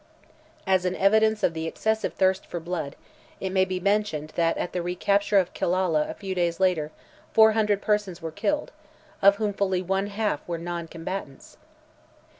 As an evidence of the excessive thirst for blood, it may be mentioned that at the re capture of Killalla a few days later, four hundred persons were killed, of whom fully one half were non combatants.